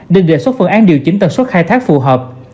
nên đề xuất phương án điều chỉnh tần suất khai thác phù hợp